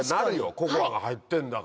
ココアが入ってんだから。